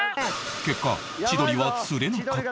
結果千鳥は釣れなかった